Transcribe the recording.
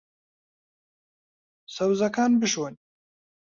سەوزەکان بشۆن.